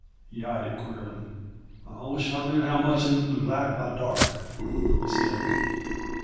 He eyed it queerly. "I wish I knew how much it would lack by dark," he said.